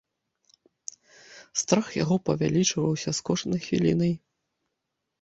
Страх яго павялічваўся з кожнай хвілінай.